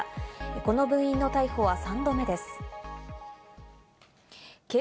この部員の逮捕は３度目です。